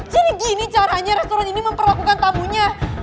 gini caranya restoran ini memperlakukan tamunya